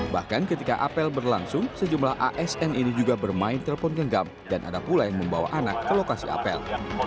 bahkan ketika apel berlangsung sejumlah asn ini juga bermain telepon genggam dan ada pula yang membawa anak ke lokasi apel